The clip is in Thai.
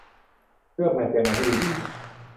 เลือกแมตช์ยังไงให้ดูดี